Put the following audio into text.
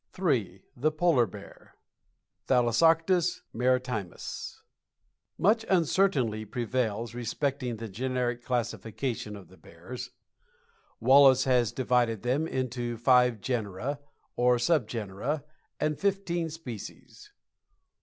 III. THE POLAR BEAR. Thalassarctos Maritimus. Much uncertainty prevails respecting the generic classification of the bears. Wallace has divided them into five genera or subgenera, and fifteen species.